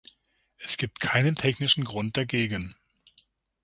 Es gibt keinen technischen Grund dagegen.